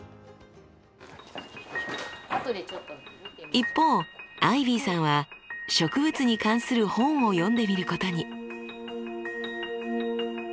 一方アイビーさんは植物に関する本を読んでみることに。